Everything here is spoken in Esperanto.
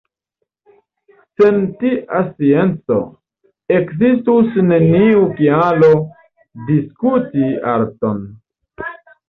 Sen tia scienco, ekzistus neniu kialo diskuti arton.